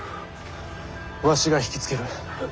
わしが引きつける。